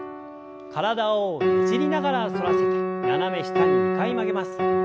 体をねじりながら反らせて斜め下に２回曲げます。